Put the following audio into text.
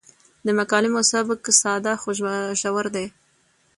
د مکالمو سبک ساده خو ژور دی.